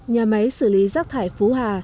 nhà máy xử lý rác thải phú hà